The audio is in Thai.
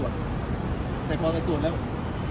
ทำให้พ่อมารู้ว่าลูกอยู่ในชีวิตอยู่